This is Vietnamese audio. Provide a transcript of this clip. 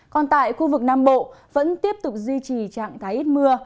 còn tại khu vực nam bộ vẫn tiếp tục duy trì trạng thái ít mưa